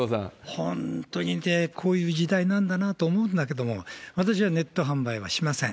本当にね、こういう時代なんだなと思うんだけども、私はネット販売はしません。